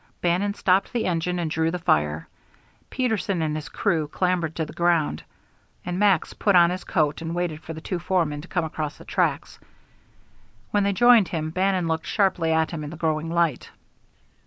Bannon stopped the engine and drew the fire; Peterson and his crew clambered to the ground, and Max put on his coat and waited for the two foremen to come across the tracks. When they joined him, Bannon looked sharply at him in the growing light.